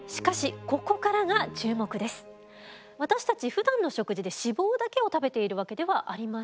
私たちふだんの食事で脂肪だけを食べているわけではありません。